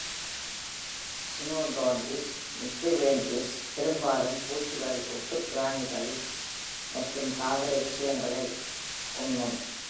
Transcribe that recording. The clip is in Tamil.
"சினோடோண்டிஸ் நிக்ரிவெண்டிரிஸ்" பெரும்பாலும் பூச்சிகள், ஓட்டுப் பிராணிகள் மற்றும் தாவர விஷயங்களை உண்ணும்.